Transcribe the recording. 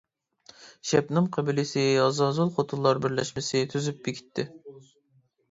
شەبنەم قەبىلىسى ھازازۇل خوتۇنلار بىرلەشمىسى تۈزۈپ بېكىتتى.